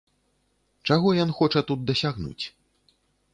Чаго ён хоча тут дасягнуць?